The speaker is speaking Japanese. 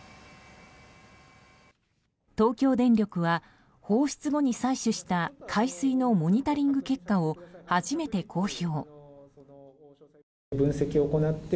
東京電力は放出後に採取した海水のモニタリング結果を初めて公表。